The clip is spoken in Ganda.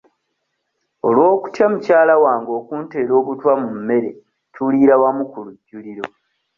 Olw'okutya mukyala wange okunteera obutwa mu mmere tuliira wamu ku lujjuliro.